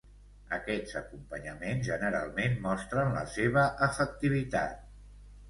Aquests acompanyaments generalment mostren la seva efectivitat.